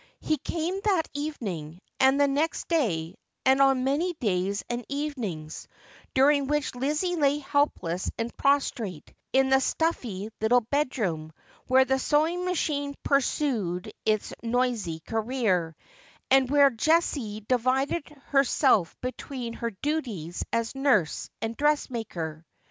He came that evening, and the next day, and on many days and evenings, during which Lizzie lay helpless and prostrate, in the stuffy little bedroom where the sewing machine pursued its nohy career, and where Jessie divided herself between her duties as nurse and dressmaker.